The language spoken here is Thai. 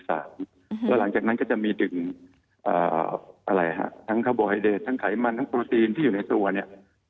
แล้วหลังจากนั้นก็จะมีดึงทั้งคาร์โบไฮเดตทั้งไขมันทั้งโปรตีนที่อยู่ในตัวเนี่ย